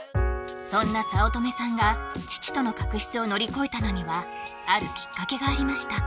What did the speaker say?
そんな早乙女さんが父との確執を乗り越えたのにはあるきっかけがありました